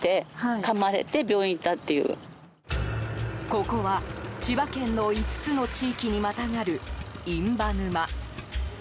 ここは千葉県の５つの地域にまたがる印旛沼。